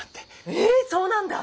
ええそうなんだ